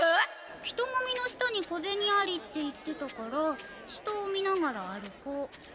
「人ごみの下に小ゼニあり」って言ってたから下を見ながら歩こう。